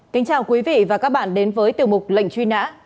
kính chào quý vị và các bạn đến với tiểu mục lệnh truy nã